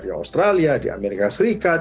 di australia di amerika serikat